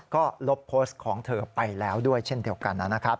ก็ลบโพสต์ของเธอไปแล้วด้วยเช่นเดียวกันนะครับ